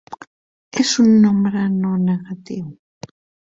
És un nombre no negatiu.